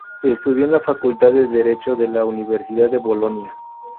Estudió en la Facultad de Derecho de la Universidad de Bolonia.